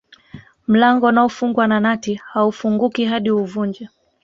Mlango unaofungwa na nati haufunguki hadi uuvunje